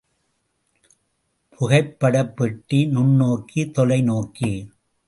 புகைப்படப்பெட்டி, நுண்ணோக்கி, தொலை நோக்கி.